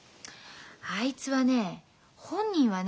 あいつはね本人はね